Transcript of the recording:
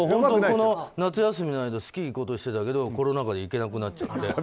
この夏休みの間スキー行こうとしてたけどコロナ禍で行けなくなっちゃって。